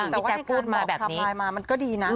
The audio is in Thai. พี่แจ๊กพูดมาแบบนี้มันก็ดีนะ